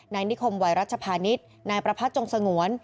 นายนิคมวัยรัชภานิษฐ์นายประพัทธจงสงวน